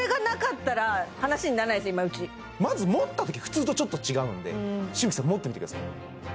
まず持ったとき普通とちょっと違うんで紫吹さん持ってみてください